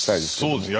そうですね